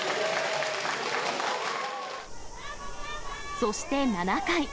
そして７回。